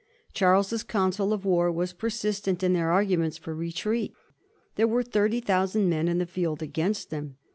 Charles's council of war were persistent in their arguments for retreat. There were thirty thousand men in the field against them.